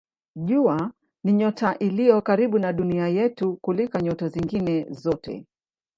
Jua ni nyota iliyo karibu na Dunia yetu kuliko nyota nyingine zote.